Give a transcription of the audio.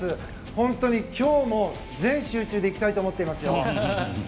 本当に今日も全集中でいきたいと思っていますよ。